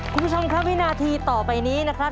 คุณผู้ชมครับวินาทีต่อไปนี้นะครับ